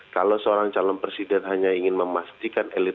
kalau seorang calon presiden hanya ingin memilihnya